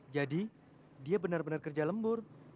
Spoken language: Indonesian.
jadi dia benar benar kerja lembur